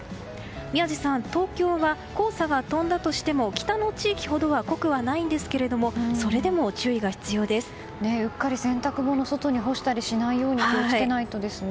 宮司さん、東京は黄砂が飛んだとしても北の地域ほどは濃くはないんですけれどもうっかり洗濯物を外に干したりしないように気を付けないとですね。